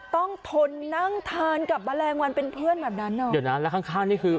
ทนนั่งทานกับแมลงวันเป็นเพื่อนแบบนั้นเหรอเดี๋ยวนะแล้วข้างข้างนี่คือ